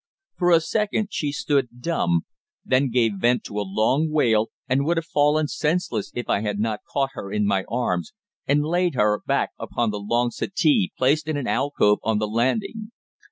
For a second she stood dumb, then gave vent to a long wail, and would have fallen senseless if I had not caught her in my arms and laid her back upon the long settee placed in an alcove on the landing.